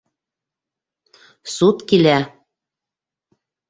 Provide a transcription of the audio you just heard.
Суд килә!